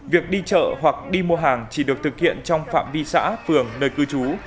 việc đi chợ hoặc đi mua hàng chỉ được thực hiện trong phạm vi xã phường nơi cư trú